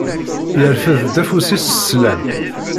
Yerfed-d afus-is s sslam.